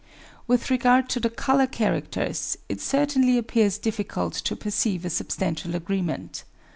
With regard to the colour characters, it certainly appears difficult to perceive a substantial agreement.